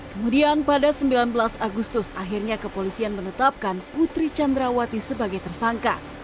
kemudian pada sembilan belas agustus akhirnya kepolisian menetapkan putri candrawati sebagai tersangka